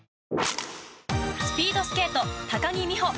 スピードスケート、高木美帆